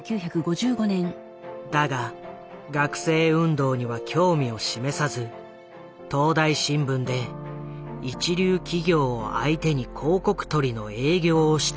だが学生運動には興味を示さず東大新聞で一流企業を相手に広告取りの営業をしていた。